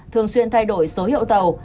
thường xuyên thay đổi số hiệu tàu